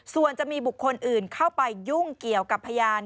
ส่วนจะมีบุคคลอื่นเข้าไปยุ่งเกี่ยวกับพยาน